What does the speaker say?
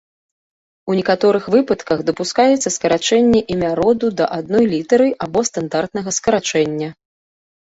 У некаторых выпадках дапускаецца скарачэнне імя роду да адной літары або стандартнага скарачэння.